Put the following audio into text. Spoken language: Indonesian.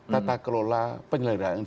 tata kelola penyelenggaraan